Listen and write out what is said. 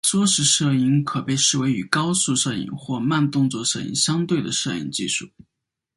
缩时摄影可被视为与高速摄影或慢动作摄影相对的摄影技术。